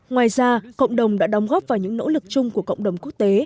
ngoài ra cộng đồng đã đóng góp vào những nỗ lực chung của cộng đồng quốc tế